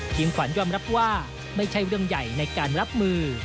ขวัญยอมรับว่าไม่ใช่เรื่องใหญ่ในการรับมือ